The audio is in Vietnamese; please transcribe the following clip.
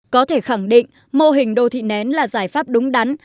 có thể khẳng định mô hình đô thị nén là giải pháp đúng đắn